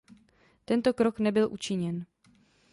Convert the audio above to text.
Tento krok nebyl učiněn.